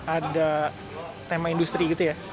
ada tema industri gitu ya